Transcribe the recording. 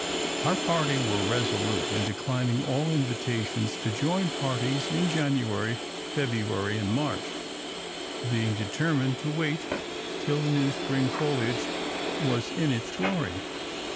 Our party were resolute in declining all invitations to join parties in January, February, and March; being determined to wait till the new spring foliage was in its glory.